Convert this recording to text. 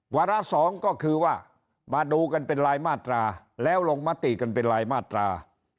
วาระสองก็คือว่ามาดูกันเป็นรายมาตราแล้วลงมติกันเป็นรายมาตรา